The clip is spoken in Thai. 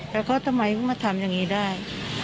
แต่เขาทำไมเขามาทำอย่างนี้ได้